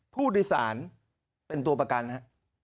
ผู้ดิสารเป็นตัวประกันนะฮะ